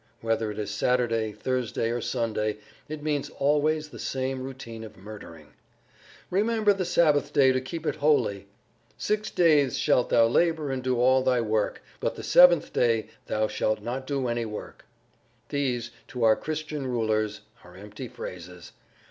Whether it is Saturday, Thursday or Sunday, it means always the same routine of murdering. "Remember the Sabbath day to keep it holy!" "Six days shalt thou[Pg 62] labor and do all thy work. But the seventh day—thou shalt not do any work." These, to our Christian rulers, are empty phrases.